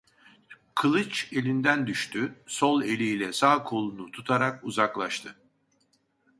Kılıç elinden düştü, sol eliyle sağ kolunu tutarak uzaklaştı.